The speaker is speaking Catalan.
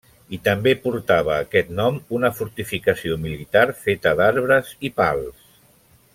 I també portava aquest nom una fortificació militar feta d'arbres i pals.